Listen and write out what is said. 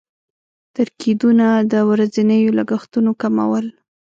تر کېدونه د ورځنيو لګښتونو کمول.